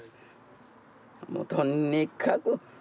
もうとにかく。